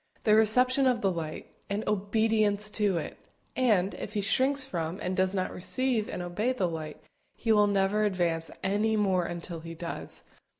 the reception of the light, and obedience to it; and, if he shrinks from and does not receive and obey the light, he will never advance any more until he does.